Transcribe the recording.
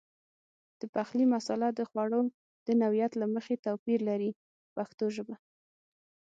د پخلي مساله د خوړو د نوعیت له مخې توپیر لري په پښتو ژبه.